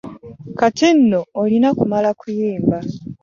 Kati nno olina kumala kuyimba.